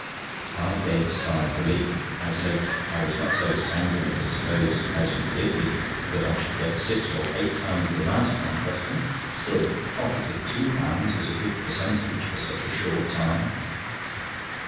I gave a sigh of relief. I said: "I was not so sanguine as to suppose, as you predicted, that I should get six or eight times the amount of my investment; still a profit of £2 is a good percentage for such a short time."